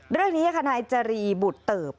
เรื่องนี้ค่ะนายจรีบุตรเติบ